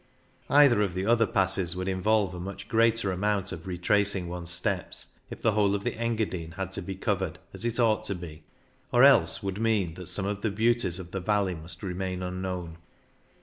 Either 77 78 CYCLING IN THE ALPS of the other passes would involve a much greater amount of retracing of one's steps if the whole of the Engadine had to be covered, as it ought to be, or else would mean that some of the beauties of the valley must remain unknown.